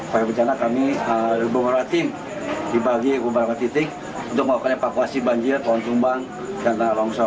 pada bencana kami beberapa tim dibagi beberapa titik untuk melakukan evakuasi banjir pohon tumbang dan tanah longsor